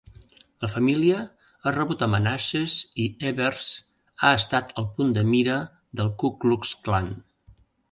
La família ha rebut amenaces i Evers ha estat el punt de mira del Ku Klux Klan.